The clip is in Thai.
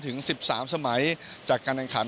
ถึง๑๓สมัยจากการแข่งขัน